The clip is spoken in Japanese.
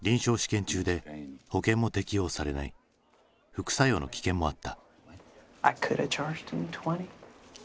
副作用の危険もあった。